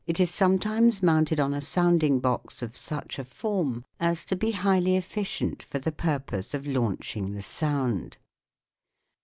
is sometimes mounted on a sounding box of such a form as to be highly efficient for the purpose of launching the sound.